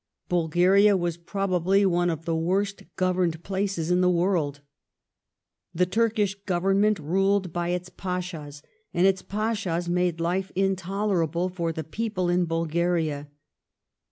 Bulgaria was probably one of the worst governed places in the world. The Turkish Government ruled by its pashas, and its pashas made life intolerable for the people in Bulgaria.